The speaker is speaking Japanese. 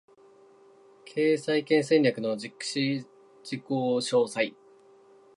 経営再建戦略の実施事項詳細